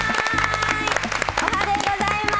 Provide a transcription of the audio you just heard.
おはデイございます。！